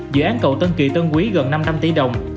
dự án cầu tân kỳ tân quý gần năm trăm linh tỷ đồng